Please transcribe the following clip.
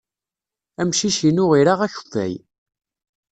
Amcic-inu ira akeffay.